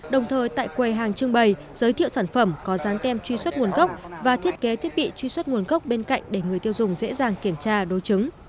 đồng thời tại quầy hàng trưng bày giới thiệu sản phẩm có dán tem truy xuất nguồn gốc và thiết kế thiết bị truy xuất nguồn gốc bên cạnh để người tiêu dùng dễ dàng kiểm tra đối chứng